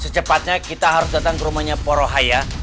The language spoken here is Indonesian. secepatnya kita harus datang ke rumahnya porohaya